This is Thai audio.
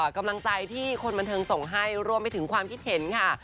กำลังใจที่คนบันเทิงส่งให้รวมไปถึงความคิดเห็นค่ะ